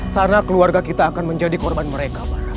sana keluarga kita akan menjadi korban mereka